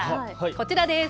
こちらです。